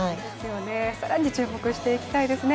更に注目していきたいですね。